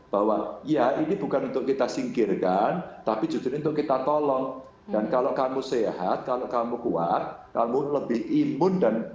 bahwa ya ini bukan untuk kita singkirkan tapi jujur untuk kita tolong dan kalau kamu sehat kalau kamu